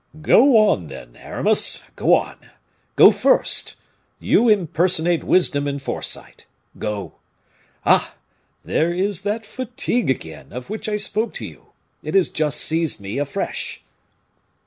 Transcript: "Go on, then, Aramis; go on go first; you impersonate wisdom and foresight; go. Ah! there is that fatigue again, of which I spoke to you. It has just seized me afresh."